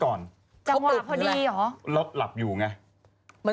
กางบรรยาย